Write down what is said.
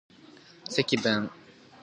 積分